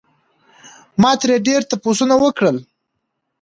ما ترې ډېر تپوسونه وکړل